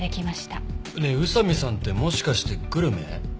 ねえ宇佐見さんってもしかしてグルメ？